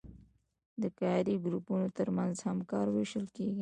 د کاري ګروپونو ترمنځ هم کار ویشل کیږي.